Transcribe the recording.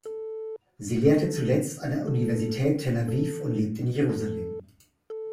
Sie lehrte zuletzt an der Universität Tel Aviv und lebt in Jerusalem.